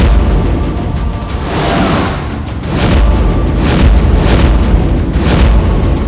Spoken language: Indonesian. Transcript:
saya tidak mau